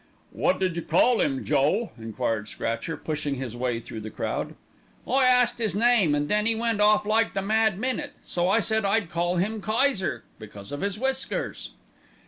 "Wot did you call 'im, Joe?" enquired Scratcher, pushing his way through the crowd. "I asked 'is name, an' then 'e went off like the 'mad minute,' so I said I'd call 'im 'Kayser,' because of 'is whiskers."